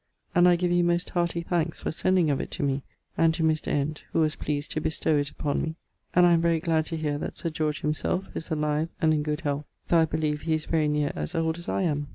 And I give you most hearty thankes for sending of it to me, and to Mr. Ent who was pleased to bestow it upon me, and I am very glad to hear that Sir George him selfe is alive and in good health, though I believe he is very near as old as I am.